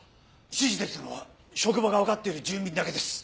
指示できたのは職場がわかっている住民だけです。